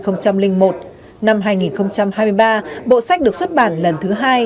năm hai nghìn hai mươi ba bộ sách được xuất bản lần thứ hai